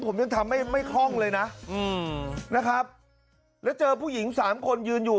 ผมยังทำไม่ไม่คล่องเลยนะอืมนะครับแล้วเจอผู้หญิงสามคนยืนอยู่